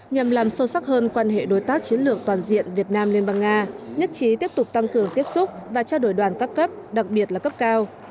nhằm làm sâu sắc hơn quan hệ đối tác chiến lược toàn diện việt nam liên bang nga nhất trí tiếp tục tăng cường tiếp xúc và trao đổi đoàn các cấp đặc biệt là cấp cao